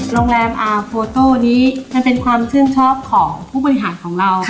โรงแรมอาร์โฟโต้นี้มันเป็นความชื่นชอบของผู้บริหารของเรา